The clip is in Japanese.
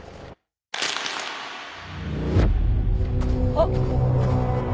あっ。